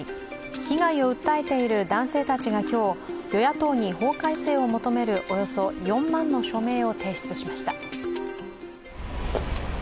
被害を訴えている男性たちが今日、与野党に法改正を求めるおよそ４万の署名を提出しました。